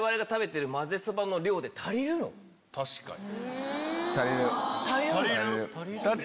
確かに。